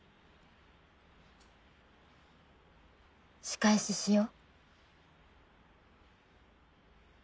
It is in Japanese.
仕返ししよ。